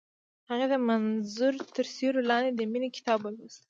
هغې د منظر تر سیوري لاندې د مینې کتاب ولوست.